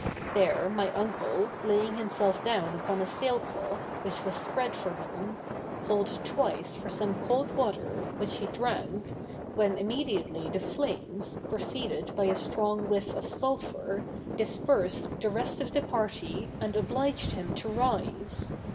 There my uncle, laying himself down upon a sail cloth, which was spread for him, called twice for some cold water, which he drank, when immediately the flames, preceded by a strong whiff of sulphur, dispersed the rest of the party, and obliged him to rise.